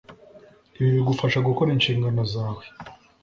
ibi bigufasha gukora inshingano zawe